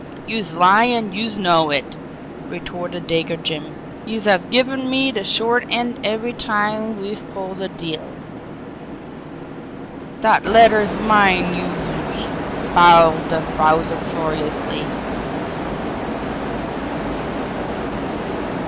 "Youse lie, an' youse knows it!" retorted Dago Jim. "Youse have given me de short end every time we've pulled a deal!" "Dat letter's mine, youse " bawled the Wowzer furiously.